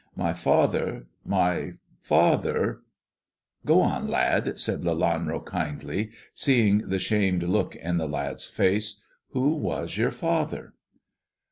My father — my father " "Go on, lad," said Lelanro kindly, seeing the shamed look in the lad^s face, " who was your father